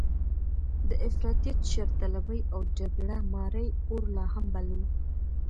د افراطیت، شرطلبۍ او جګړه مارۍ اور لا هم بل و.